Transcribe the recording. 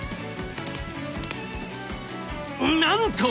なんと！